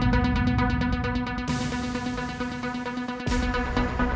bikin bagian lama